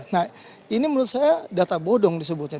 nah ini menurut saya data bodong disebutnya